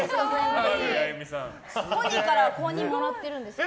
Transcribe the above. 本人から公認もらってるんですか？